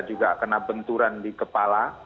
juga kena benturan di kepala